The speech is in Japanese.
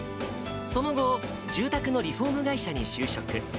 その後、住宅のリフォーム会社に就職。